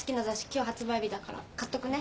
今日発売日だから買っとくね。